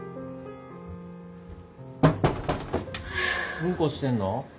・うんこしてんの？